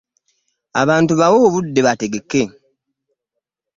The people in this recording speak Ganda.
Abantu bawe obudde betegeke.